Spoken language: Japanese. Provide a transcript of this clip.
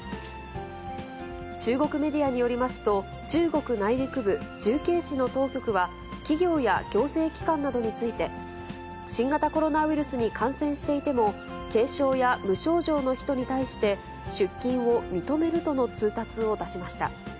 中国メディアによりますと、中国内陸部、重慶市の当局は、企業や行政機関などについて、新型コロナウイルスに感染していても、軽症や無症状の人に対して、出勤を認めるとの通達を出しました。